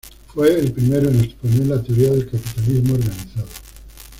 Fue el primero en exponer la teoría del capitalismo organizado.